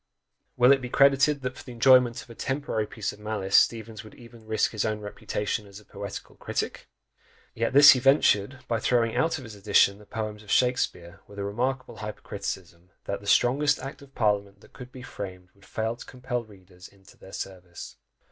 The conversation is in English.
Will it be credited that for the enjoyment of a temporary piece of malice, Steevens would even risk his own reputation as a poetical critic? Yet this he ventured, by throwing out of his edition the poems of Shakspeare, with a remarkable hyper criticism, that "the strongest act of parliament that could be framed would fail to compel readers into their service."